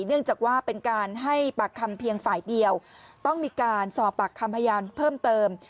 เนื่องจากว่าเป็นการให้ปากคำเพียงฝ่ายเดียวต้องมีการสอบปากคำพยานเพิ่มเติม